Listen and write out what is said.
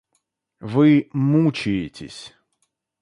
Вы мучаетесь.